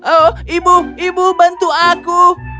oh ibu ibu bantu aku